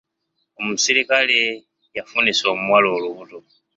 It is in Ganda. Omusirikale yafunisa omuwala olubuto.